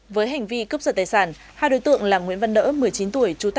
với hành vi cướp giật tài sản hai đối tượng là nguyễn văn đỡ một mươi chín tuổi trú tại huế